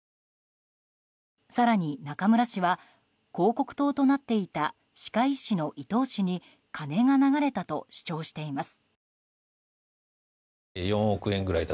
更に、中村氏は広告塔となっていた歯科医師の伊藤氏に金が流れたと主張しています。